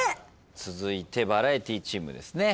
続いてバラエティチームですね。